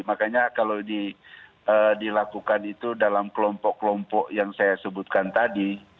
makanya kalau dilakukan itu dalam kelompok kelompok yang saya sebutkan tadi